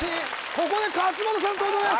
ここで勝俣さん登場です